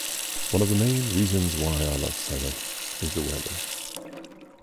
One of the main reasons why I love summer is the weather.